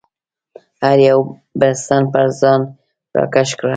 هر یو بړستن پر ځان راکش کړه.